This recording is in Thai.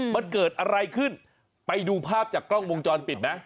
มันเกิดอะไรขึ้นไปดูภาพจากกล้องวงจรปิดไหม